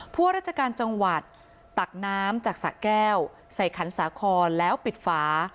พวกราชการจังหวัดตักน้ำจากสะแก้วใส่ขันสาคอนแล้วปิดฝา